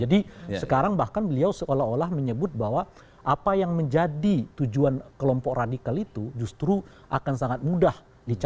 jadi sekarang bahkan beliau seolah olah menyebut bahwa apa yang menjadi tujuan kelompok radikal itu justru akan sangat mudah dicapai dengan kondisi bahwa